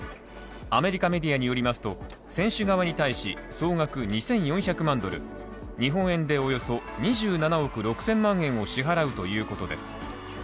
アメリカメディアによりますと選手側に対し総額２４００万ドル、日本円でおよそ２７億６０００万円を支払うということです。